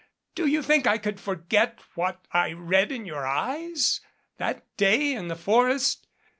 Do you think I could forget what I read in your eyes that day in the forest?